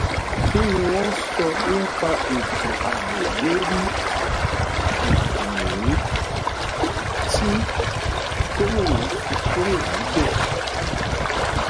Kí ni wọ́n sọ nípa ètò ààbò lórí ìkànnì tí Gómìnà fí kúrò níbẹ?